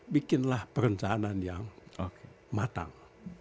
bikinlah perencanaan yang matang